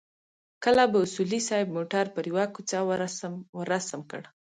کله به اصولي صیب موټر پر يوه کوڅه ورسم کړ.